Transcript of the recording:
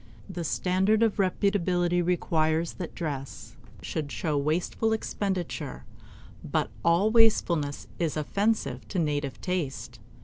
The standard of reputability requires that dress should show wasteful expenditure; but all wastefulness is offensive to native taste.